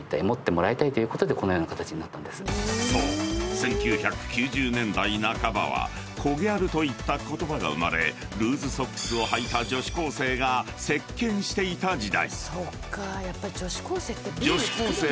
１９９０年代半ばはコギャルといった言葉が生まれルーズソックスをはいた女子高生が席巻していた時代］